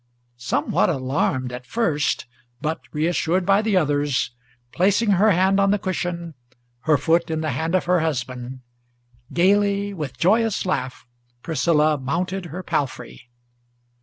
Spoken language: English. Somewhat alarmed at first, but reassured by the others, Placing her hand on the cushion, her foot in the hand of her husband, Gayly, with joyous laugh, Priscilla mounted her palfrey.